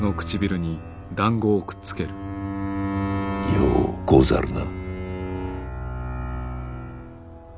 ようござるな。